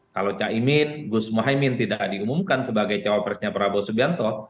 kalau caimin gus mohaimin tidak diumumkan sebagai cawapresnya prabowo subianto